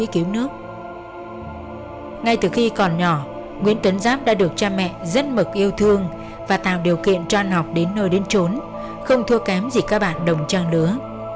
khi còn nhỏ nguyễn tuấn giáp đã được cha mẹ rất mực yêu thương và tạo điều kiện tràn học đến nơi đến trốn không thua kém gì các bạn đồng trang lứa